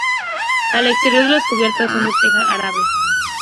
Al exterior las cubiertas son de teja árabe.